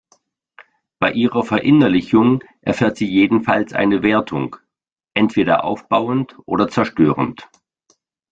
Bei ihrer Verinnerlichung erfährt sie jedenfalls eine Wertung: entweder aufbauend oder zerstörend.